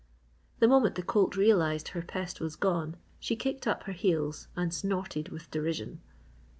The moment the colt realised her pest was gone she kicked up her heels and snorted with derision.